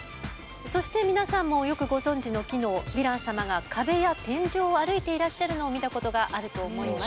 そして皆さんもよくご存じの機能ヴィラン様が壁や天井を歩いていらっしゃるのを見たことがあると思います。